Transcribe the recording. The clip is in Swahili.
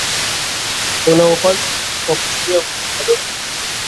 unaofanywa kwa kutumia nguvu ya Dola